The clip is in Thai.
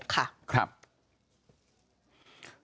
ลูกนั่นแหละที่เป็นคนผิดที่ทำแบบนี้